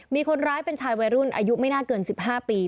มีคนร้ายเป็นชายวัยรุ่นอายุไม่น่าเกิน๑๕ปี